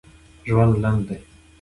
ژوند لنډ دی